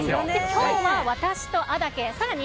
今日は私と安宅さらに